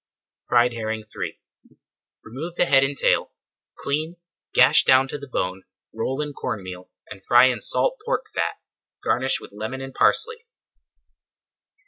FRIED HERRING III Remove the head and tail, clean, gash down to the bone, roll in corn meal, and fry in salt pork fat. Garnish with lemon and parsley.